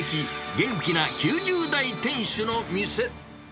元気な９０代店主の店。